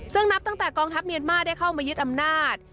ซึ่งนับตั้งแต่กองทัพเมียนมาร์ได้เข้ามายึดอำนาจ